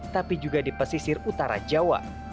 tapi juga di pesisir utara jawa